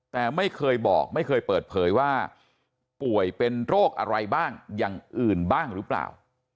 แต่ไม่เคยบอกไม่เคยเปิดเผยว่าป่วยเป็นโรคอะไรบ้างอย่างอื่นบ้างหรือเปล่า